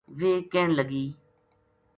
ویہ کہن لگی